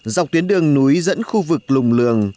dọc tuyến đường núi dẫn khu vực lùng lường